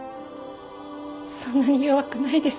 そんなに弱くないです。